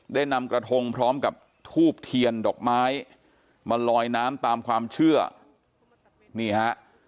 ได้นำกระทงพร้อมกับทูบเทียนดอกไม้มาลอยน้ำตามความเชื่อนี่ฮะ